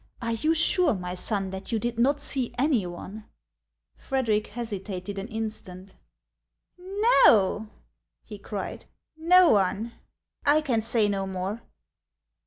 Are you sure, my son, that you did not see any one ?" Frederic hesitated an instant. " Xo," he cried, " no one. I can say no more."